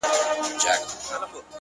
خیالي ځوانان راباندي مري خونکاره سومه!!